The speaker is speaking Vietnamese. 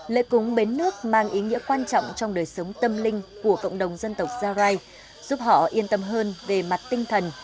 lễ cúng bến nước mang ý nghĩa quan trọng trong đời sống tâm linh của cộng đồng dân tộc gia rai giúp họ yên tâm hơn về mặt tinh thần